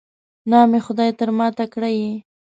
نام خدای، تر ما تکړه یې.